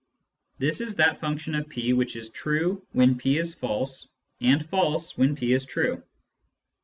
This is that function of p which is true when p is false, and false when p is true.